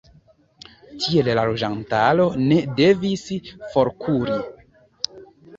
Tiel la loĝantaro ne devis forkuri.